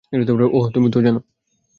ওহ, তুমি তো জানো।